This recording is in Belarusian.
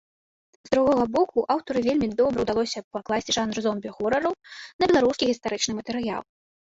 З другога боку, аўтару вельмі добра ўдалося пакласці жанр зомбі-хорару на беларускі гістарычны матэрыял.